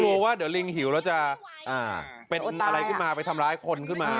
กลัวว่าเดี๋ยวลิงหิวแล้วจะเป็นอะไรขึ้นมาไปทำร้ายคนขึ้นมา